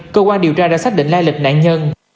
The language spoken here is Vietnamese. cơ quan điều tra đã xác định lai lịch nạn nhân